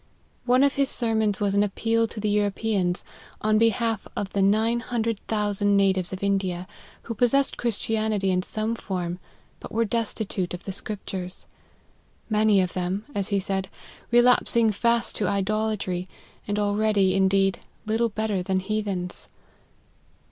One of his sermons was an ap peal to the Europeans, on behalf of the nine hun dred thousand natives of India, who possessed Christianity in some form, but were destitute of the Scriptures ;" many of them," as he said, " relaps ing fast to idolatry, and already, indeed, little better than heathens."